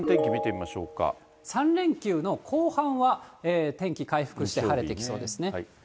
３連休の後半は、天気回復して晴れてきそうですね。